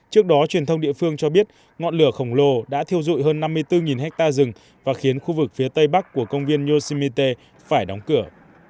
trước đó truyền thông địa phương cho biết ngọn lửa khổng lồ đã thiêu dụi hơn năm mươi bốn ha rừng và khiến khu vực phía tây bắc của công viên yoshimite phải đóng cửa